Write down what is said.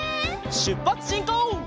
しゅっぱつしんこう！